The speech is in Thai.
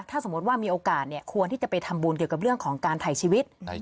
ถ้าสมมติว่ามีโอกาสเนี่ยควรที่จะไปทำบุญเกี่ยวกับเรื่องของการถ่ายชีวิต